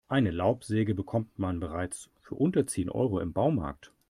Eine Laubsäge bekommt man bereits für unter zehn Euro im Baumarkt.